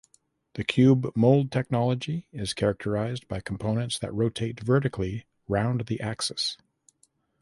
The cube mold technology is characterized by components that rotate vertically round the axis.